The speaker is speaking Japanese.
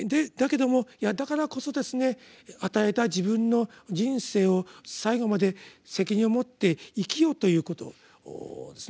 だけどもいやだからこそですね与えた自分の人生を最後まで責任を持って生きよということ。